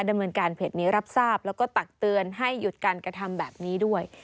ดำเนินการเพจนี้รับทราบแล้วก็ตักเตือนให้หยุดการกระทำแบบนี้ด้วย